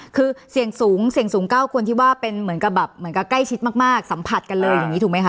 คือเสี่ยงสูงเสี่ยงสูง๙คนที่ว่าเป็นเหมือนกับแบบเหมือนกับใกล้ชิดมากสัมผัสกันเลยอย่างนี้ถูกไหมคะ